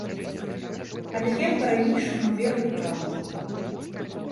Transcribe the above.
Але я па-ранейшаму веру ў праўду.